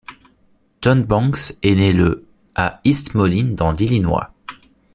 Jon Banks est né le à East Moline dans l'Illinois.